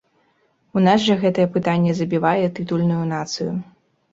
У нас жа гэтае пытанне забівае тытульную нацыю.